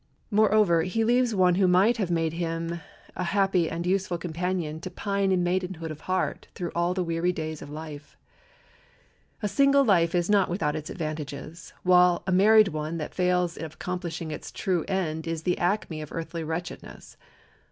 Moreover, he leaves one who might have made him a happy and useful companion to pine in maidenhood of heart through all the weary days of life. A single life is not without its advantages, while a married one that fails of accomplishing its true end is the acme of earthly wretchedness.